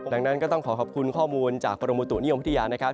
ดังนั้นก็ต้องขอขอบคุณข้อมูลจากกรมบุตุนิยมวิทยานะครับ